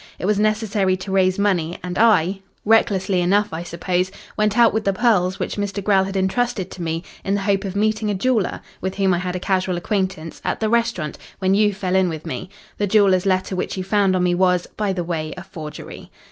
It was necessary to raise money, and I, recklessly enough I suppose, went out with the pearls which Mr. Grell had entrusted to me, in the hope of meeting a jeweller, with whom I had a casual acquaintance, at the restaurant, when you fell in with me. The jeweller's letter which you found on me was, by the way, a forgery.